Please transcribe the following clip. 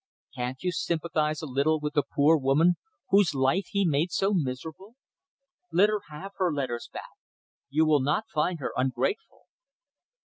Can't you sympathize a little with the poor woman whose life he made so miserable? Let her have her letters back. You will not find her ungrateful!"